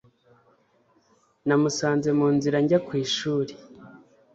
Namusanze mu nzira njya ku ishuri